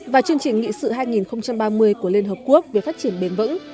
và chương trình nghị sự hai nghìn ba mươi của liên hợp quốc về phát triển bền vững